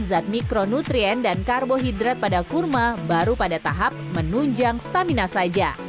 zat mikronutrien dan karbohidrat pada kurma baru pada tahap menunjang stamina saja